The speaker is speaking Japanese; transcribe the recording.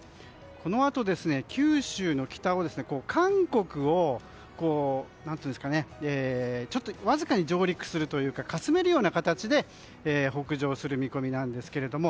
このあと、九州の北を韓国をわずか上陸するというかかすめるような形で北上する見込みなんですけれども。